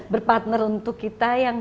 berpartner untuk kita yang